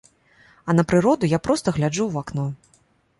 А на прыроду я проста гляджу ў вакно.